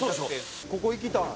ここ行きたい」